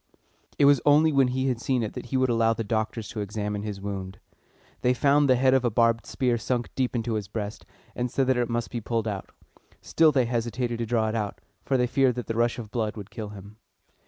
It was only when he had seen it that he would allow the doctors to examine his wound. They found the head of a barbed spear sunk deep into his breast, and said that it must be pulled out. Still they hesitated to draw it out, for they feared that the rush of blood would kill him.